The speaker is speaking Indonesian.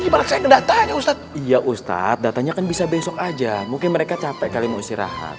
iya ustadz datanya kan bisa besok aja mungkin mereka capek kalau mau istirahat